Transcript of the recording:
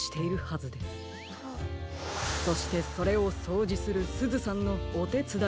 そしてそれをそうじするすずさんのおてつだいをした。